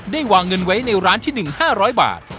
ได้วางเงินไว้ในร้านที่หนึ่งห้าร้อยบาท